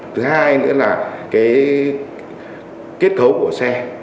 thứ hai nữa là cái kết thấu của xe